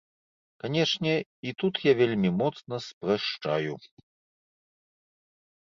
Канечне, і тут я вельмі моцна спрашчаю.